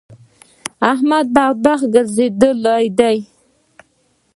د احمد بخت ګرځېدل دی.